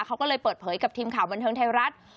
เขาก็เลยเปิดเผยกับทีมข่าวบันเทิงไทยรัฐ